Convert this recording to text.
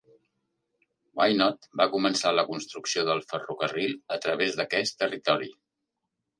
Wynot va començar la construcció del ferrocarril a través d'aquest territori.